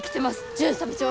巡査部長。